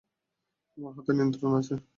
আমার হাতে নিয়ন্ত্রণ আছে।